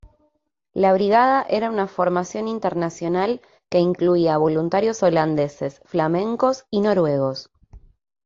La brigada era una formación internacional que incluía voluntarios holandeses, flamencos y noruegos.